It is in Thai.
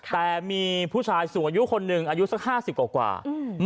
แต่มีผู้ชายสูงอายุคนหนึ่งอายุสักห้าสิบกว่ากว่าอืม